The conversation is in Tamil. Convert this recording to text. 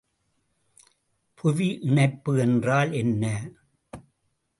புவி இணைப்பு என்றால் என்ன?